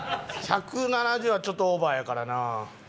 １７０はちょっとオーバーやからなあ。